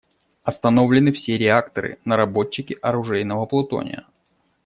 Остановлены все реакторы − наработчики оружейного плутония.